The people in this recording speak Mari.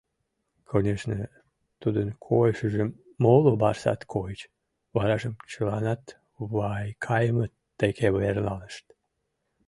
Конешне, тудын койышыжым моло барсат койыч, варажым чыланат Вайкаимыт деке верланышт.